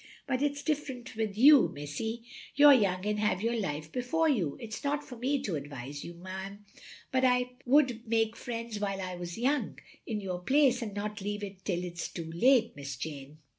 But it 's different with you, missie; you 're young, and have your life before you. It 's not for me to advise you, 'm, but I wotild make friends while I was young, in your place, and not leave till it 's too late, Miss Jane.